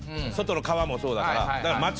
外の皮もそうだから。